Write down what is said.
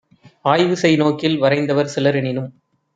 ஆய்வுசெய் நோக்கில் வரைந்தவர் சிலரெனினும்